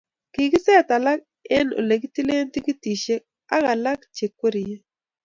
Kikiset alak eng olekitilee tikitishek aka alak cheikwerie